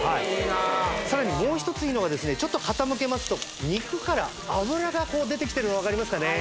さらにもう一ついいのはですねちょっと傾けますと肉から脂がこう出てきてるの分かりますかね